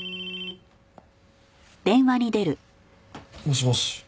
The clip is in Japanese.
もしもし。